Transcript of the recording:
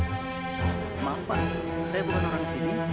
maaf pak saya bukan orang sini